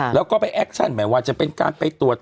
แล้วก็ไปแอคชั่นไม่ว่าจะเป็นการไปตรวจ